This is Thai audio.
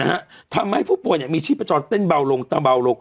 นะฮะทำให้ผู้ป่วยเนี่ยมีชีพจรเต้นเบาลงตามเบาลง